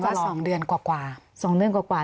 ประเมินว่า๒เดือนกว่า